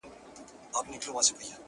ښه به وي چي دا يې خوښـــه ســـوېده،